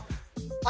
あ！